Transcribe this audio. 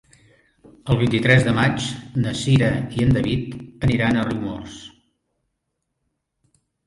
El vint-i-tres de maig na Cira i en David aniran a Riumors.